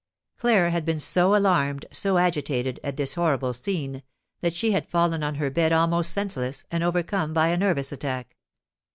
Claire had been so alarmed, so agitated, at this horrible scene, that she had fallen on her bed almost senseless, and overcome by a nervous attack.